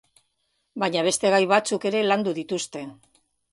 Baina beste gai batzuk ere landu dituzte.